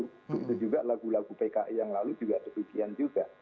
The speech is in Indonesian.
itu juga lagu lagu pki yang lalu juga demikian juga